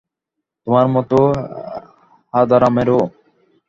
তোমার মতো হাঁদারামেরও।